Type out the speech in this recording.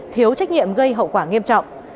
thiếu trách nhiệm gây hậu quả nghiêm trọng